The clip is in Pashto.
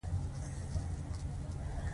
دوی د مرئیانو د ساتلو لپاره سازمان جوړ کړ.